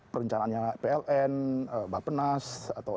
perencanaan pln bapak nas atau